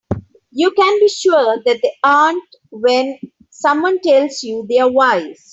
You can be sure that they aren't when someone tells you they are wise.